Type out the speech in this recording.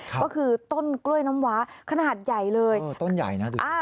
ก็คือต้นกล้วยน้ำว้าขนาดใหญ่เลยเออต้นใหญ่นะดู